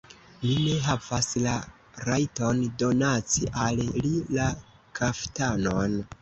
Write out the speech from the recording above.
Mi ne havas la rajton donaci al li la kaftanon!